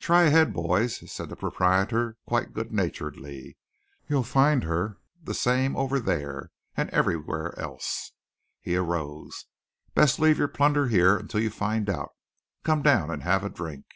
"Try ahead, boys," said the proprietor quite good naturedly. "You'll find her the same over there; and everywhere else." He arose. "Best leave your plunder here until you find out. Come down and have a drink?"